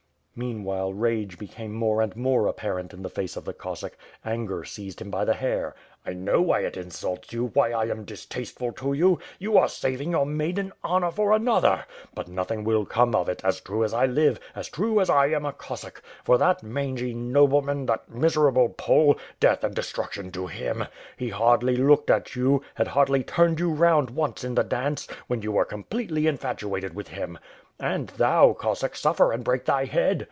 Meanwhile, rage became more and more apparent in the face of the Cossack. Anger seized him by the hair. "I know why it insults you, why I am distasteful to youl You are saving your maiden honor for another; but nothing 442 WITH FIRE AND SWORD. will come of it, afi true as I live, as true as I am a Cossack. For that mangy nobleman, that miserable Pole; death and destruction to him! He hardly looked at you, had hardly turned you round once in the dance, when you were com pletely infatuated with him! And thou, Cossack, suffer and break thy head!